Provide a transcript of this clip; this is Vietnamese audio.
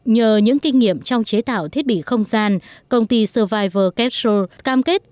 nhờ những kinh nghiệm trong chế tạo thiết bị không gian công ty survivor capsule cam kết